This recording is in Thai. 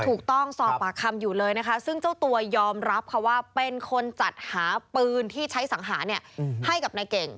ถูกต้องสอบปากคำอยู่เลยนะคะซึ่งเจ้าตัวยอมรับค่ะว่าเป็นคนจัดหาปืนที่ใช้สังหาเนี่ยให้กับนายเก่ง